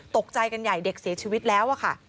ตกใจกันใหญ่เด็กเสียชีวิตแล้วอะค่ะ